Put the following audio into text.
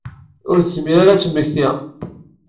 Ur tezmir ara ad d-temmekti.